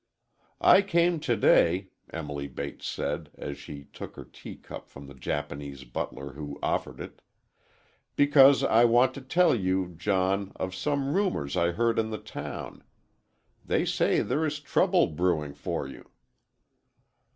"I came today," Emily Bates said, as she took her tea cup from the Japanese butler who offered it, "because I want to tell you, John, of some rumors I heard in the town. They say there is trouble brewing for you."